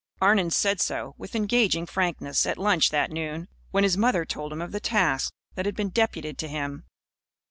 Arnon said so, with engaging frankness, at lunch that noon, when his mother told him of the task that had been deputed to him.